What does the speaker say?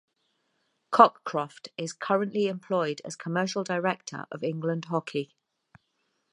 Cockcroft is currently employed as Commercial Director of England Hockey.